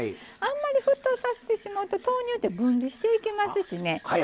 あんまり沸騰させてしまうと豆乳って分離していきますしね